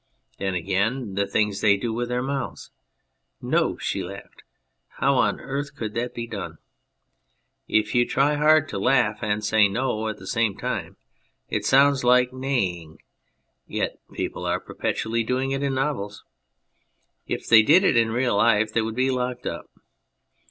Then again, the things they do with their mouths. "' No,' she laughed." How on earth could that be done? If you try to laugh and say " No " at the same time it sounds like neighing yet people are perpetually doing it in novels. If they did it in real life they would be locked up.